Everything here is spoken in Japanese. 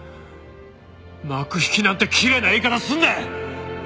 幕引きなんてきれいな言い方すんな！